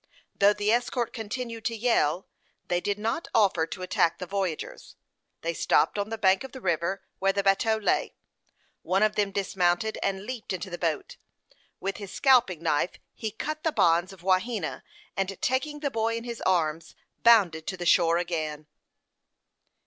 Though the escort continued to yell, they did not offer to attack the voyagers. They stopped on the bank of the river, where the bateau lay. One of them dismounted, and leaped into the boat. With his scalping knife he cut the bonds of Wahena, and taking the boy in his arms, bounded to the shore again.